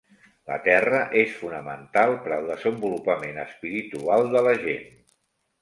La terra és fonamental per al desenvolupament espiritual de la gent.